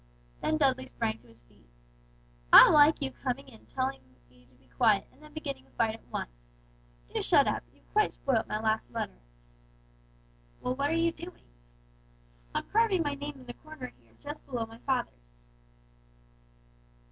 Then Dudley sprang to his feet. "I like you coming in to tell me to be quiet, and then beginning a fight at once! Do shut up! You've quite spoilt my last letter!" "Well, what are you doing?" "I'm carving my name in the corner here, just below my father's."